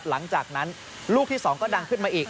หลังจากนั้นลูกที่๒ก็ดังขึ้นมาอีก